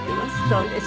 そうですか。